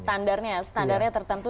standarnya standarnya tertentu